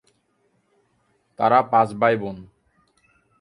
তারা পাঁচ ভাই বোন।